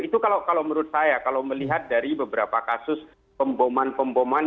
itu kalau menurut saya kalau melihat dari beberapa kasus pemboman pemboman